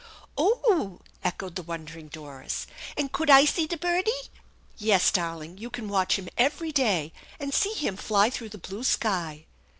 " Oh h !" echoed the wondering Doris. "And coula I see de birdie?" " Yes, darling, you can waUih him every day, and see him fly through the blue sky."